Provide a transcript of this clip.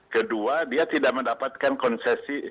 kedua dia tidak mendapatkan konsesi